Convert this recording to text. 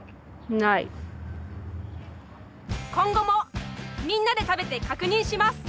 今後もみんなで食べて確認します。